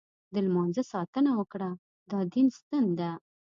د لمانځه ساتنه وکړه، دا دین ستن ده.